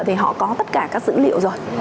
thì họ có tất cả các dữ liệu rồi